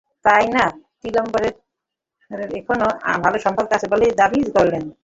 তা-ই নয়, টিম্বারলেকের সঙ্গে এখনো ভালো সম্পর্ক আছে বলেই দাবি করলেন।